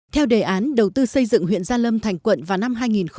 theo đề án đầu tư xây dựng huyện gia lâm thành quận vào năm hai nghìn hai mươi